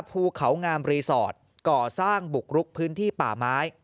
ภูเขางามรีสอร์ทก่อสร้างบุกรุกพื้นที่ป่าไม้